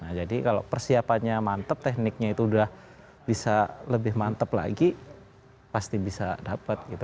nah jadi kalau persiapannya mantep tekniknya itu udah bisa lebih mantep lagi pasti bisa dapat gitu